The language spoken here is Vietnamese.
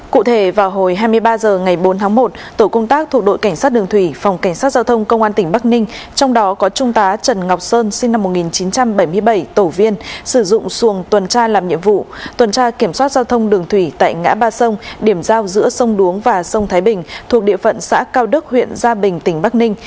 cụ thể vào hồi hai mươi ba h ngày bốn tháng một tổ công tác thuộc đội cảnh sát đường thủy phòng cảnh sát giao thông công an tỉnh bắc ninh trong đó có trung tá trần ngọc sơn sinh năm một nghìn chín trăm bảy mươi bảy tổ viên sử dụng xuồng tuần tra làm nhiệm vụ tuần tra kiểm soát giao thông đường thủy tại ngã ba sông điểm giao giữa sông đuống và sông thái bình thuộc địa phận xã cao đức huyện gia bình tỉnh bắc ninh